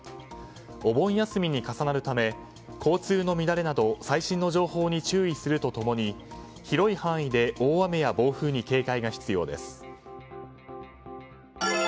お盆休みに重なるため交通の乱れなど最新の情報に注意すると共に広い範囲で大雨や暴風に警戒が必要です。